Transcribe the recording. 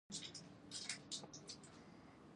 هغه د ځان ژغورلو په خاطر ولاړ شي.